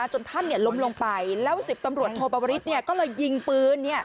จนท่านล้มลงไปแล้ว๑๐ตำรวจโทปวริสก็เลยยิงปืน